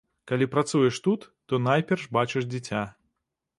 Калі працуеш тут, то найперш бачыш дзіця.